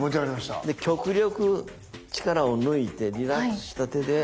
極力力を抜いてリラックスした手で。